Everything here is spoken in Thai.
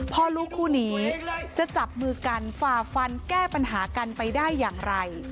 พ่อลูกคู่นี้จะจับมือกันฝ่าฟันแก้ปัญหากันไปได้อย่างไร